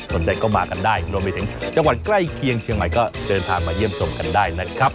สนใจก็มากันได้รวมไปถึงจังหวัดใกล้เคียงเชียงใหม่ก็เดินทางมาเยี่ยมชมกันได้นะครับ